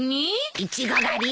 イチゴ狩り？